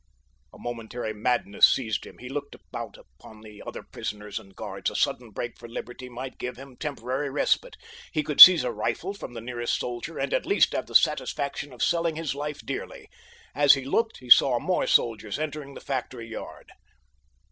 A momentary madness seized him. He looked about upon the other prisoners and guards. A sudden break for liberty might give him temporary respite. He could seize a rifle from the nearest soldier, and at least have the satisfaction of selling his life dearly. As he looked he saw more soldiers entering the factory yard.